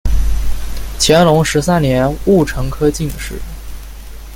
乾隆十三年戊辰科进士。